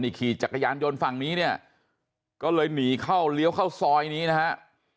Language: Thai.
ขี่จักรยานยนต์ฝั่งนี้เนี่ยก็เลยหนีเข้าเลี้ยวเข้าซอยนี้นะฮะ